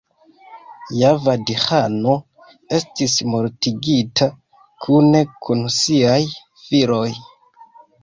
Javad-ĥano estis mortigita, kune kun siaj filoj.